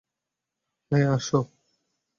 হ্যাঁ, এসো।